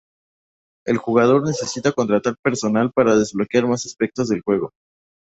El jugador necesita contratar personal para desbloquear más aspectos del juego.